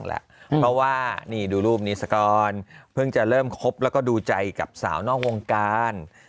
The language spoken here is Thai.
เพราะว่านี่ดูรูปนี้ซะก่อนเพิ่งจะเริ่มคบแล้วก็ดูใจกับสาวนอกวงการ